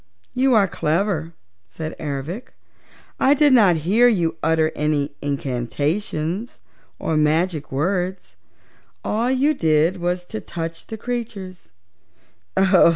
"You are clever," said Ervic. "I did not hear you utter any incantations or magic words. All you did was to touch the creatures."